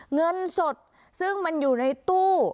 เงินสดซึ่งมันอยู่ในตู้